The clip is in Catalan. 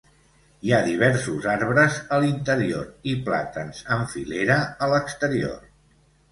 Hi ha diversos arbres a l'interior i plàtans en filera a l'exterior.